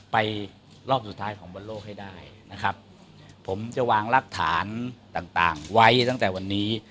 ไปรอบสุดท้ายของบอลโลกให้ได้นะครับผมจะวางรักฐานต่างต่างไว้ตั้งแต่วันนี้